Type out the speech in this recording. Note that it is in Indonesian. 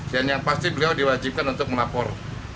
dan yang pasti beliau diwajibkan untuk melapor